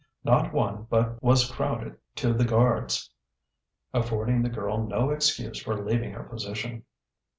Not one but was crowded to the guards, affording the girl no excuse for leaving her position.